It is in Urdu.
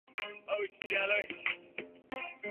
یہی کافی ہے۔